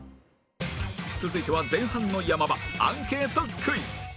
続いては前半の山場アンケートクイズ